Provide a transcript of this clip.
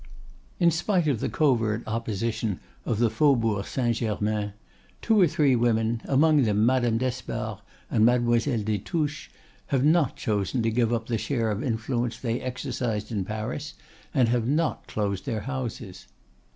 In spite of the covert opposition of the Faubourg Saint Germain, two or three women, among them Madame d'Espard and Mademoiselle des Touches, have not chosen to give up the share of influence they exercised in Paris, and have not closed their houses.